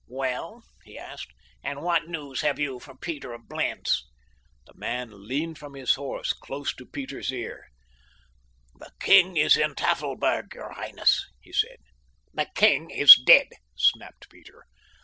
"Well," he asked, "and what news have you for Peter of Blentz?" The man leaned from his horse close to Peter's ear. "The king is in Tafelberg, your highness," he said. "The king is dead," snapped Peter.